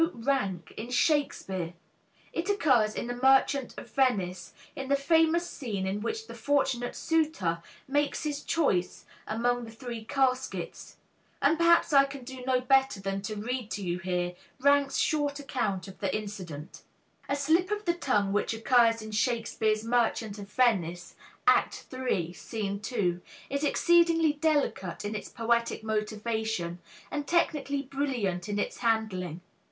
Rank in Shakespeare. It occurs in the Merchant of Venice, in the famous scene in which the fortunate suitor makes his choice among the three caskets; and perhaps I can do no better than to read to you here Rank's short account of the incident: "A slip of the tongue which occurs in Shakespeare's Merchant of Venice, Act III, Scene II, is exceedingly delicate in its poetic motivation and technically brilliant in its handling.